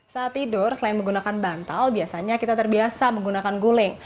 saat tidur selain menggunakan bantal biasanya kita terbiasa menggunakan guling